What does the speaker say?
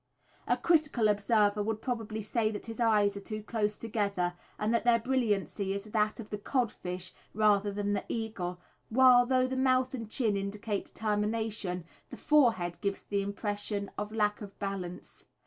A critical observer would probably say that his eyes are too close together, and that their brilliancy is that of the codfish rather than the eagle, while, though the mouth and chin indicate determination, the forehead gives the impression of lack of balance.